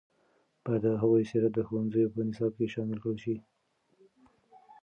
باید د هغوی سیرت د ښوونځیو په نصاب کې شامل کړل شي.